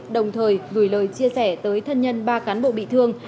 đồng thời gửi lời chia sẻ tới thân nhân ba cán bộ bị thương